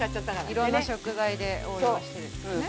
いろんな食材で応用してるんですね。